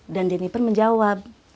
dan jennifer menjawab